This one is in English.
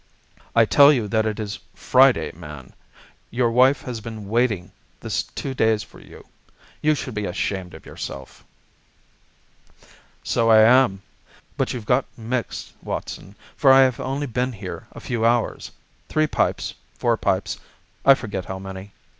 "I tell you that it is Friday, man. Your wife has been waiting this two days for you. You should be ashamed of yourself!" "So I am. But you've got mixed, Watson, for I have only been here a few hours, three pipes, four pipes—I forget how many.